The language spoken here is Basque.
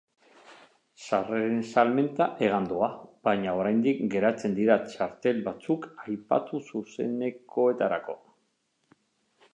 Sarreren salmenta hegan doa, baina oraindik geratzen dira txartel batzuk aipatu zuzenekoetarako.